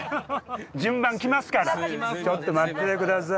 順番来ますからちょっと待っててください。